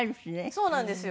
そうなんですよ。